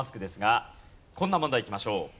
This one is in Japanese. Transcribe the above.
ですがこんな問題いきましょう。